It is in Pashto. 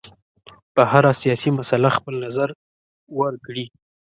په هره سیاسي مسله خپل نظر ورکړي.